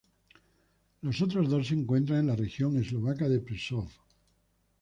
Los otros dos se encuentran en la región eslovaca de Prešov.